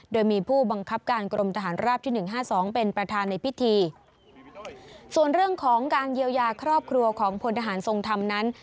โดยมีผู้บังคับการกรมทหารราบที่หนึ่งห้าสองเป็นประธานในพิธีส่วนเรื่องของการเยียวยาครอบครัวของพลทหารทรงธรรมนั้น